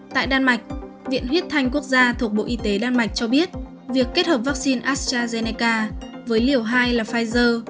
tại đan mạch viện huyết thanh quốc gia thuộc bộ y tế đan mạch cho biết việc kết hợp vaccine astrazeneca với liều hai là pfizer